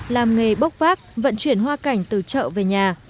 làm nghề bốc vác vận chuyển hoa cảnh từ chợ về nhà